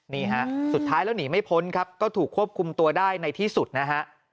นี่ฮะสุดท้ายแล้วหนีไม่พ้นครับก็ถูกควบคุมตัวได้ในที่สุดนะฮะ